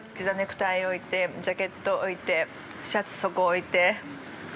◆ネクタイ置いて、ジャケット置いて、シャツ、そこ置いて。